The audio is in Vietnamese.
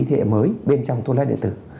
thế hệ mới bên trong thuốc lá điện tử